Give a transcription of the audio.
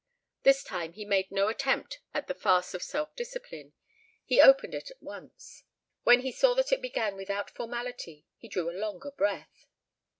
This time he made no attempt at the farce of self discipline; he opened it at once. When he saw that it began without formality he drew a longer breath.